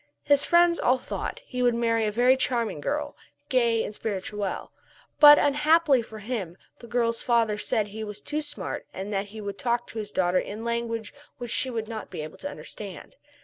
His friends all thought that he would marry a very charming girl, gay and spirituelle. But, unhappily for him, the girl's father said that he was too smart and that he would talk to his daughter in language which she would not be able to understand.